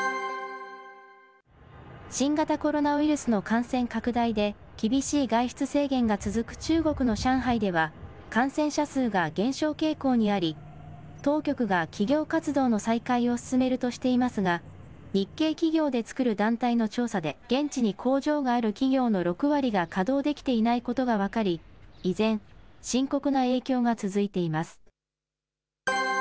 新型コロナウイルスの感染拡大で、厳しい外出制限が続く中国の上海では、感染者数が減少傾向にあり、当局が企業活動の再開を進めるとしていますが、日系企業で作る団体の調査で、現地に工場がある企業の６割が稼働できていないことが分かり、依然、深刻な影響が続いています。